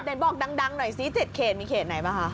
อาจารย์บอกดังหน่อยซิ๗เขตมีเขตไหนบ้างค่ะ